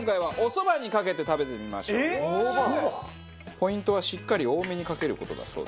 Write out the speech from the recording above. ポイントはしっかり多めにかける事だそうです。